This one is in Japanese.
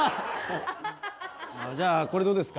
じゃあこれどうですか？